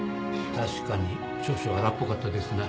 確かに少々荒っぽかったですな。